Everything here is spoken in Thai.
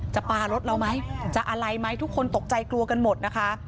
ปลารถเราไหมจะอะไรไหมทุกคนตกใจกลัวกันหมดนะคะ